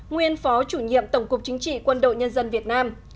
nguyên phó chủ nhiệm tổng cục chính trị quân đội nhân dân việt nam